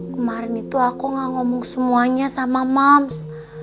kemarin itu aku gak ngomong semuanya sama moms